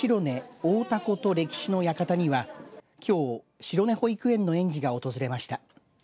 大凧と歴史の館にはきょう白根保育園の園児が訪れました。